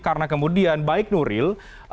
karena kemudian baik nuril